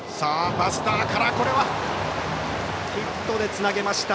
バスターからヒットでつなぎました。